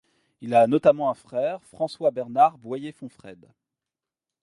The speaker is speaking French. Il a notamment un frère, François-Bernard Boyer-Fonfrède.